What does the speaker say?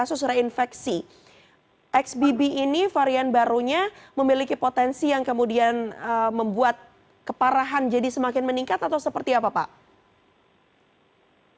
kasus reinfeksi xbb ini varian barunya memiliki potensi yang kemudian membuat keparahan jadi semakin meningkat atau seperti apa pak